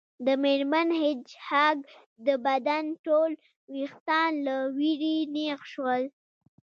د میرمن هیج هاګ د بدن ټول ویښتان له ویرې نیغ شول